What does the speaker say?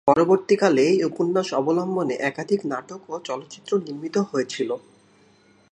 পরবর্তীকালে এই উপন্যাস অবলম্বনে একাধিক নাটক ও চলচ্চিত্র নির্মিত হয়েছিল।